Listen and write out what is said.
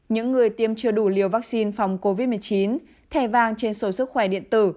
những người tiêm chưa đủ liều vaccine phòng covid một mươi chín thẻ vàng trên sổ sức khỏe điện tử